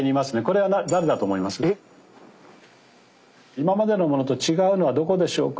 今までのものと違うのはどこでしょうか？